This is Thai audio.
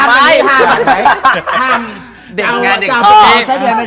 เอาไส้เดือนไปทำ